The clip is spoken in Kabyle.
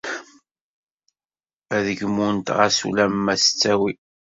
Ad gmunt, xas ulama s ttawil.